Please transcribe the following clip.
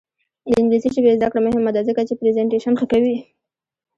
د انګلیسي ژبې زده کړه مهمه ده ځکه چې پریزنټیشن ښه کوي.